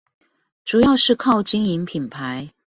主要是靠經營品牌